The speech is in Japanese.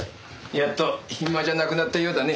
やっと暇じゃなくなったようだね。